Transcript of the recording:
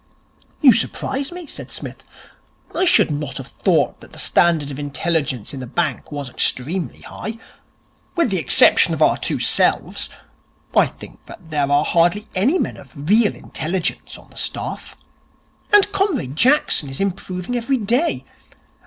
'You surprise me,' said Psmith. 'I should not have thought that the standard of intelligence in the bank was extremely high. With the exception of our two selves, I think that there are hardly any men of real intelligence on the staff. And comrade Jackson is improving every day.